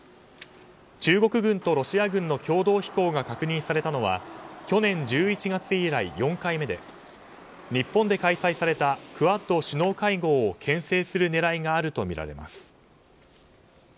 中国軍とロシア軍の共同飛行が確認されたのは去年１１月以来、４回目で日本で開催されたクアッド首脳会合をけん制する狙いがあるとみられます。